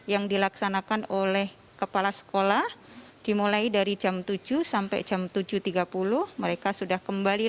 kegiatan kemarin adalah kegiatan pembukaan mpls